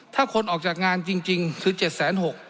ถ้าคนออกจากงานจริงจริงถือเจ็ดแสนหก